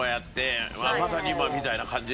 まさに今みたいな感じ。